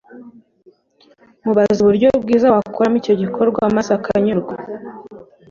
mubaze uburyo bwiza wakoramo icyo gikorwa maze akanyurwa